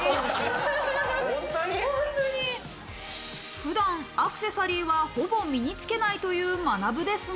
普段アクセサリーは、ほぼ身につけないという、まなぶですが。